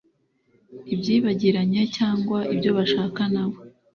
ibyibagiranye cyangwa ibyo bashaka nabo